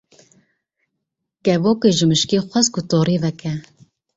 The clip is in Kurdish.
Kevokê, ji mişkê xwest ku torê veke.